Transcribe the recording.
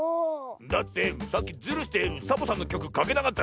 だってさっきズルしてサボさんのきょくかけなかったろ。